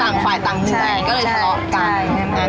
ต่างฝ่ายต่างทุกอย่างก็เลยทะเลาะกัน